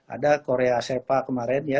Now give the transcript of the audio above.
ada korea sepa kemarin ya